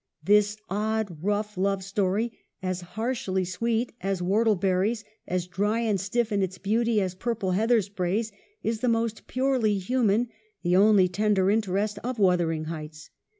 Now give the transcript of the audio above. This odd, rough love story, as harshly sweet as whortle berries, as dry and stiff in its beauty as purple heather sprays, is the most purely human, the only tender interest of Wuthering Heights.